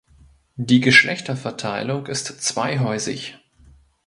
Die Geschlechterverteilung ist zweihäusig.